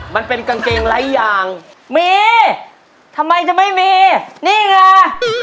มันเป็นกางเกงหลายอย่างมีทำไมจะไม่มีนี่ไง